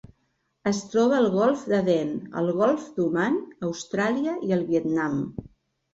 Es troba al Golf d'Aden, el Golf d'Oman, Austràlia i el Vietnam.